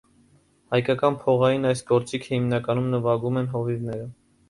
Հայկական, փողային այս գործիքը հիմնականում նվագում են հովիվները։